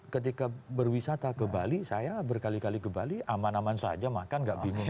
ketika berwisata ke bali saya berkali kali ke bali aman aman saja makan gak bingung